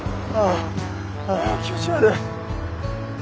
あ気持ち悪い。